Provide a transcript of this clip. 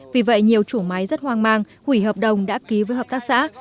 vì vậy nhiều chủ máy rất hoang mang hủy hợp đồng đã ký với hợp tác xã